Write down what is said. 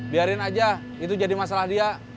biarin aja itu jadi masalah dia